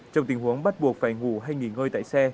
trong tình huống bắt buộc phải ngủ hay nghỉ ngơi tại xe